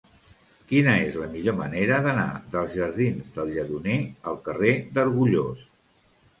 Quina és la millor manera d'anar dels jardins del Lledoner al carrer d'Argullós?